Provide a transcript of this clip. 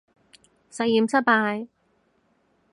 實驗失敗